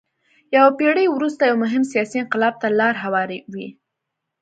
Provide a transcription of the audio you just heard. یوه پېړۍ وروسته یو مهم سیاسي انقلاب ته لار هواروي.